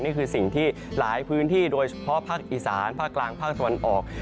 นี่คือสิ่งที่หลายพื้นที่โดยเฉพาะภาคอีสานภาคกลางภาคตะวันออก